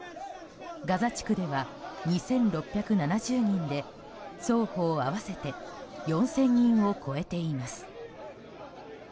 ガザ地区では２６７０人で双方合わせて４０００人を超えています。